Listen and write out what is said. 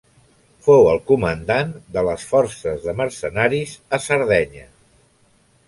Fou el comandant de les forces de mercenaris a Sardenya.